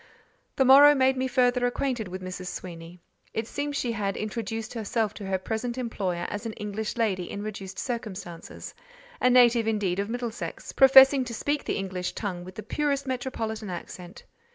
The morrow made me further acquainted with Mrs. Sweeny. It seems she had introduced herself to her present employer as an English lady in reduced circumstances: a native, indeed, of Middlesex, professing to speak the English tongue with the purest metropolitan accent.